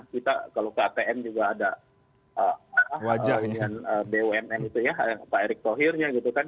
kita kalau ktm juga ada bumn itu ya pak erick tohirnya gitu kan